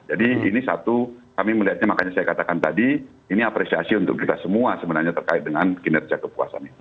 jadi ini satu kami melihatnya makanya saya katakan tadi ini apresiasi untuk kita semua sebenarnya terkait dengan kinerja kepuasan ini